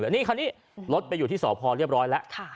แล้วนี่คันนี้รถไปอยู่ที่สอบพอล์เรียบร้อยแล้ว